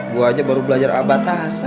gua aja baru belajar abad tasa